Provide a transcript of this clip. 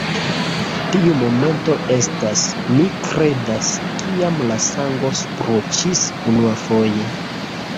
Tiu momento estas, mi kredas, kiam la sango spruĉis unuafoje.